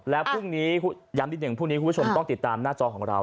และพรุ่งนี้ย้ำที่๑คุณผู้ชมต้องติดตามหน้าจอของเรา